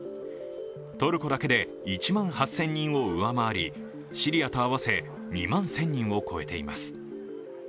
トルコだけで１万８０００人を上回りシリアと合わせ２万１０００人を超えています。